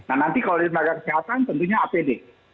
nah nanti kalau di tenaga kesehatan tentunya apd